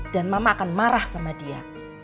dan mama akan marah sama dia